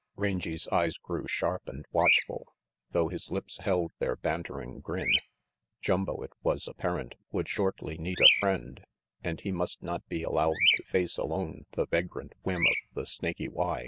Rangy 's eyes grew sharp and watchful, though his lips held their bantering grin. Jumbo, it was apparent, would shortly need a friend, and he must not be allowed to face alone the vagrant whim of the Snaky Y.